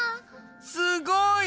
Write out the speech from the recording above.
すごい！